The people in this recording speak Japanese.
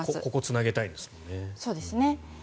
ここをつなげたいんですもんね。